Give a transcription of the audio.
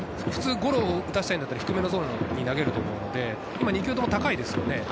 ゴロを打たせたいんだったら低めのゾーンに投げると思うので、２球とも高いですよね。